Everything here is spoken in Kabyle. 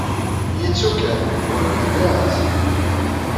Yettu kan, wamma nniɣ-as.